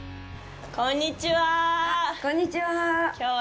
こんにちは。